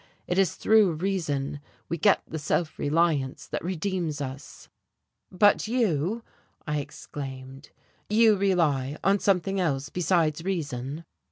It is through reason we get the self reliance that redeems us." "But you!" I exclaimed. "You rely on something else besides reason?"